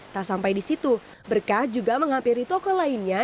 tak sampai di situ berkah juga menghampiri toko lainnya